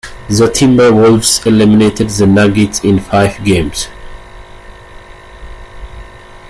The Timberwolves eliminated the Nuggets in five games.